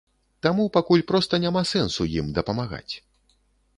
Таму пакуль проста няма сэнсу ім дапамагаць.